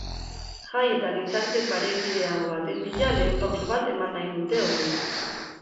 Jai eta gizarte parekideago baten bila lehen pauso bat eman nahi dute horrela.